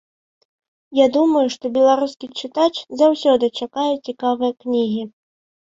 Я думаю, што беларускі чытач заўсёды чакае цікавыя кнігі.